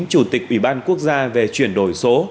chủ tịch ủy ban quốc gia về chuyển đổi số